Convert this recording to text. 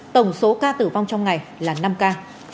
tổng số ca tử vong trong ngày là năm ca